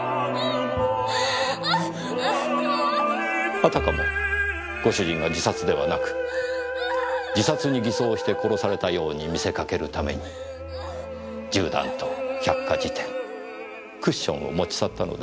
あたかもご主人が自殺ではなく自殺に偽装して殺されたように見せかけるために銃弾と百科事典クッションを持ち去ったのです。